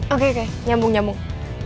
oke oke nyambung nyambung